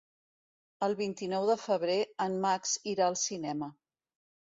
El vint-i-nou de febrer en Max irà al cinema.